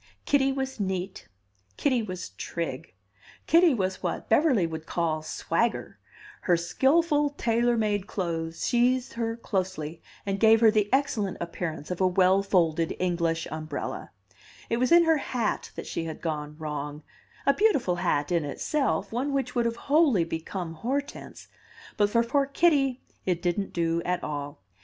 Kitty was neat, Kitty was trig, Kitty was what Beverly would call "swagger "; her skilful tailor made clothes sheathed her closely and gave her the excellent appearance of a well folded English umbrella; it was in her hat that she had gone wrong a beautiful hat in itself, one which would have wholly become Hortense; but for poor Kitty it didn't do at all.